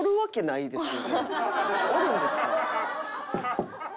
おるんですか？